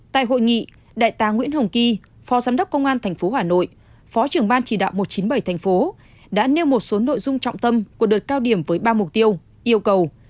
tại hội nghị đại tá nguyễn hồng kỳ phó giám đốc công an tp hà nội phó trưởng ban chỉ đạo một trăm chín mươi bảy tp hcm đã nêu một số nội dung trọng tâm của đợt cao điểm với ba mục tiêu yêu cầu